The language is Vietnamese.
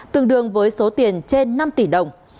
tương đương với số tiền trên năm tỷ đồng